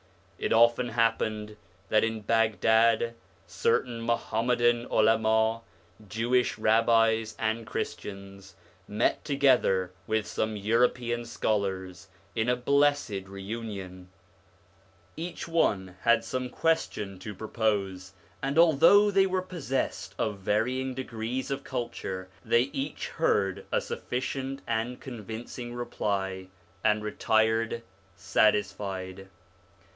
It often happened that in Baghdad certain Muham madan Ulama, Jewish rabbis, and Christians, met to gether with some European scholars, in a blessed reunion : each one had some question to propose, and although they were possessed of varying degrees of culture, they each heard a sufficient and convincing reply, and retired satisfied.